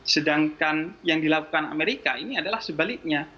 sedangkan yang dilakukan amerika ini adalah sebaliknya